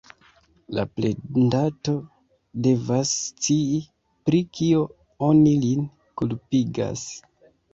La plendato devas scii, pri kio oni lin kulpigas.